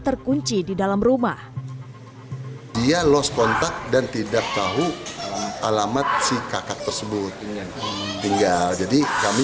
terkunci di dalam rumah dia lost kontak dan tidak tahu alamat si kakak tersebut tinggal jadi kami